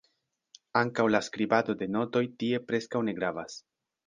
Ankaŭ la "skribado" de notoj tie preskaŭ ne gravas.